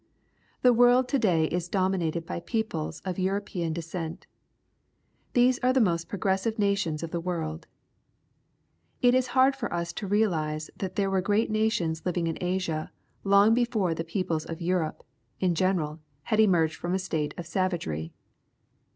— The world to day is dominated by peoples of European descent. These are the most progressive nations of the world. It is hard for us to realize that there were great nations living in Asia long before the peoples of Europe, in general, had emerged from a state of sa\"agery.